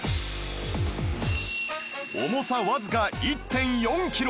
重さわずか １．４ キロ！